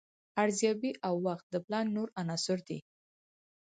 ارزیابي او وخت د پلان نور عناصر دي.